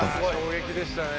衝撃でしたね。